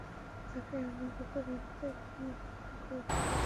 তাকে আমি গত রাতে তন্ন তন্ন করে খুঁজেছি!